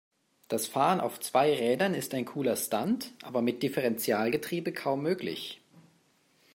Das Fahren auf zwei Rädern ist ein cooler Stunt, aber mit Differentialgetriebe kaum möglich.